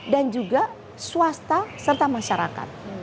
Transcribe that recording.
dan juga swasta serta masyarakat